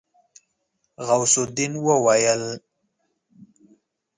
غوث الدين وويل.